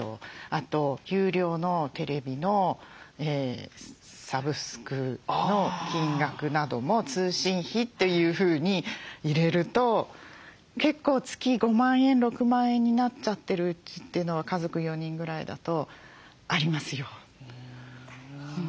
あと有料のテレビのサブスクの金額なども通信費というふうに入れると結構月５万円６万円になっちゃってる家というのは家族４人ぐらいだとありますよ。